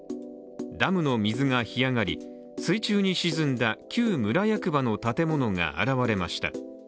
ダムの水が干上がり、水中に沈んだ旧村役場の建物が現れました。